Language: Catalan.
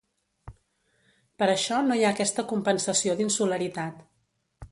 Per això no hi ha aquesta compensació d’insularitat.